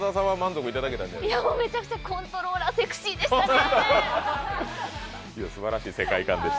めちゃくちゃコントローラーセクシーでしたね。